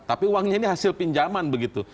tapi uangnya ini hasil pinjaman begitu